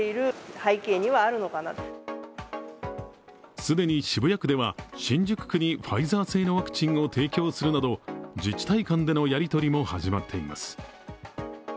既に渋谷区では新宿区にファイザー製のワクチンを提供するなど自治体間でのやり取りも始まっています。